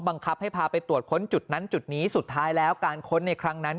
บังคับให้พาไปตรวจค้นจุดนั้นจุดนี้สุดท้ายแล้วการค้นในครั้งนั้น